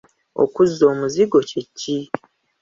Okuzza omuzigo kye ki?